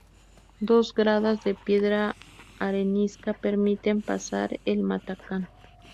Dos gradas de piedra arenisca permiten pasar el matacán.